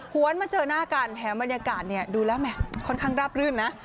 วนมาเจอหน้ากันแถมบรรยากาศดูแล้วแหมค่อนข้างราบรื่นนะ